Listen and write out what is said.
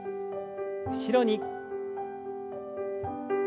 後ろに。